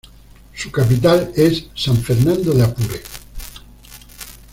Su capital es San Fernando de Apure.